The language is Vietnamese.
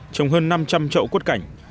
trồng hơn năm trăm linh trậu quất cảnh